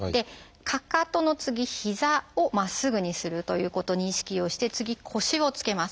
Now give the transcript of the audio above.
かかとの次膝をまっすぐにするということに意識をして次腰をつけます。